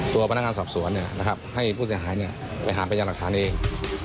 ตัวพนักงานสอบสวนให้ผู้เสียหายไปหาพยานหลักฐานเอง